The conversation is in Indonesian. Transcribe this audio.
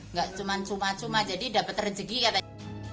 nggak cuma cuma jadi dapat rezeki katanya